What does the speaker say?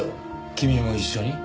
君も一緒に？